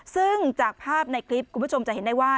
ซึ่งจากภาพในคลิปคุณผู้ชมจะเห็นได้ว่า